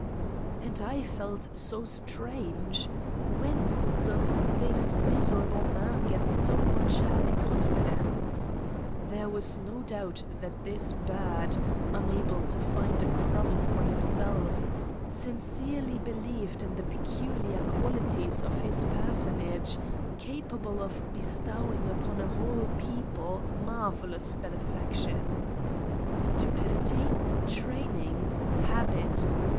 ... And I felt so strange : whence does this miserable man get so much happy confidence ? There was no doubt that this bird, unable to find a crumb for himself, sincerely believed in the peculiar quali ties of his personage, capable of bestowing upon a whole people marvelous benefactions. Stupid ity! Training? Habit?